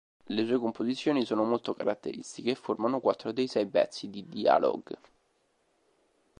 Le sue composizioni sono molto caratteristiche e formano quattro dei sei pezzi di "Dialogue".